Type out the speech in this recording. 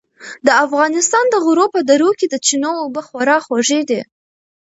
د افغانستان د غرو په درو کې د چینو اوبه خورا خوږې دي.